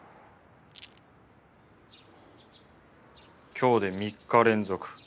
今日で３日連続。